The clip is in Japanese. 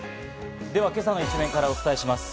今朝の一面からお伝えします。